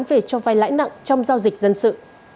về cho vai lãi nặng trong giao dịch dân sự